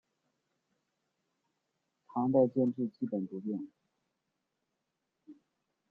唐代建制基本不变。